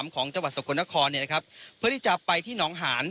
ของจังหวัดสกลนครเพื่อที่จะไปที่หนองหาน